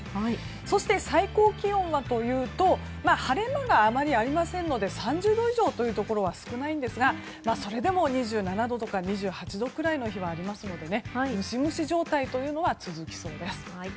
そして、最高気温はというと晴れ間があまりありませんので３０度以上ところは少ないんですがそれでも２７度とか２８度ぐらいの日はありますのでムシムシ状態というのは続きそうです。